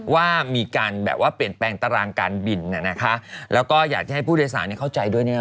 ว่ามีการแบบว่าเปลี่ยนแปลงตารางการบินนะคะแล้วก็อยากจะให้ผู้โดยสารเข้าใจด้วยเนี่ย